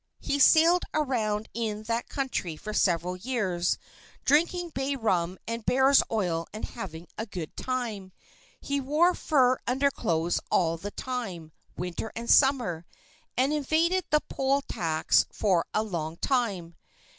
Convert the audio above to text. He sailed around in that country for several years, drinking bay rum and bear's oil and having a good time. He wore fur underclothes all the time, winter and summer, and evaded the poll tax for a long time.